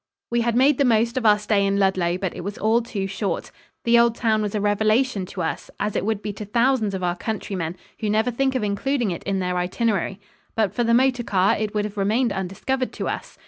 We had made the most of our stay in Ludlow, but it was all too short. The old town was a revelation to us, as it would be to thousands of our countrymen who never think of including it in their itinerary. But for the motor car, it would have remained undiscovered to us.